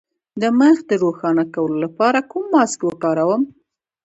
د مخ د روښانه کولو لپاره کوم ماسک وکاروم؟